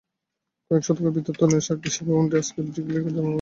কয়েক শতকের বিবর্তনের সাক্ষী সেই ভবনটিই আজকের ব্রিক লেন জামে মসজিদ।